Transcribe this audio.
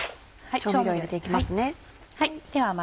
調味料入れて行きますね。